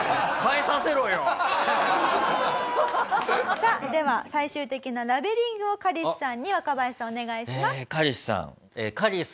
さあでは最終的なラベリングをカリスさんに若林さんお願いします。